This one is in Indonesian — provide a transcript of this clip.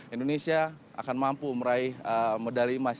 indonesia akan mampu meraih medali emas